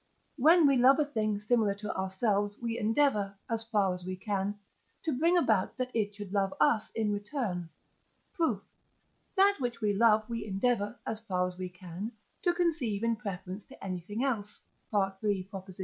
When we love a thing similar to ourselves we endeavour, as far as we can, to bring about that it should love us in return. Proof. That which we love we endeavour, as far as we can, to conceive in preference to anything else (III. xii.).